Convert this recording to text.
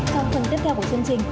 trong phần tiếp theo của chương trình